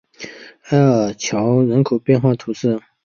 埃贝尔桥人口变化图示